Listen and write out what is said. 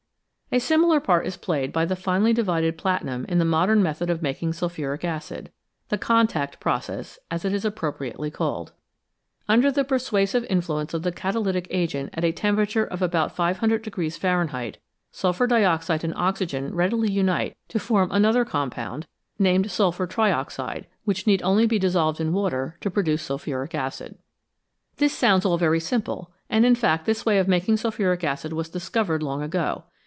A similar part is played by the finely divided platinum in the modern method of making sulphuric acid the " contact " process, as it is appropriately called. Under the persuasive influence of the catalytic agent at a tem perature of about 500 Fahrenheit, sulphur dioxide and oxygen readily unite to form another compound named 331 SMALL CAUSES; GREAT EFFECTS sulphur trioxide, which need only be dissolved in water to produce sulphuric acid. This sounds all very simple, and, in fact, this way of making sulphuric acid was discovered long ago.